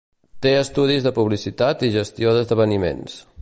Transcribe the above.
Té estudis de publicitat i gestió d'esdeveniments.